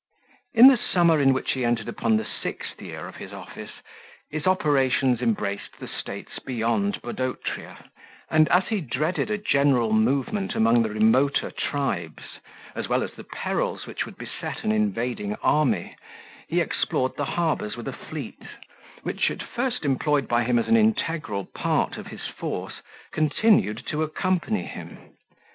25 In the summer in which he entered on the sixth year of his office, his operations embraced the states beyond Bodotria, and, as he dreaded a general movement among the remoter tribes, as well as the perils which would beset an invading army, he explored the harbours with a fleet, which, at first employed by him as an integral part of his force, continued to accompany him.